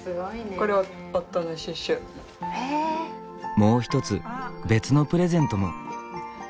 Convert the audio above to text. もう一つ別のプレゼントも。